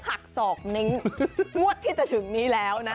หักศอกเน้งงวดที่จะถึงนี้แล้วนะ